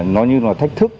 nó như là thách thức